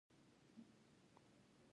د اوبو سرچینې د افغانستان طبعي ثروت دی.